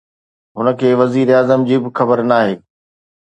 هن کي وزير اعظم جي به خبر ناهي